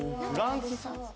フランス産？